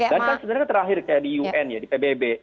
dan kan sebenarnya terakhir kayak di un ya di pbb